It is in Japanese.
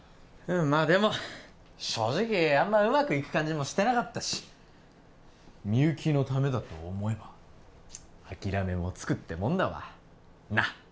うんまあでも正直あんまうまくいく感じもしてなかったしみゆきのためだと思えば諦めもつくってもんだわなっ！